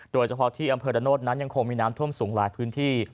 โดยเฉพาะที่อำเภอระโนธนั้นยังคงมีน้ำท่วมสูงหลายพื้นที่